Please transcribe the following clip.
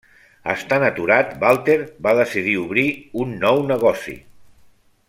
Estant aturat, Walter va decidir obrir un nou negoci.